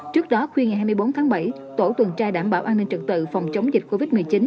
trước đó khuya ngày hai mươi bốn tháng bảy tổ tuần tra đảm bảo an ninh trực tự phòng chống dịch covid một mươi chín